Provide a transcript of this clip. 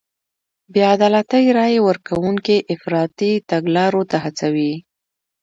بې عدالتۍ رای ورکوونکي افراطي تګلارو ته هڅوي.